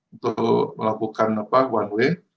untuk melakukan one way